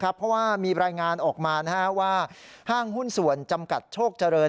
เพราะว่ามีรายงานออกมาว่าห้างหุ้นส่วนจำกัดโชคเจริญ